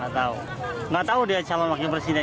enggak tahu dia calon wakil presiden